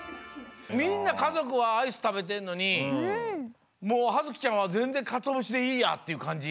みんなかぞくはアイスたべてんのにもうはづきちゃんはぜんぜんカツオ節でいいやっていうかんじ？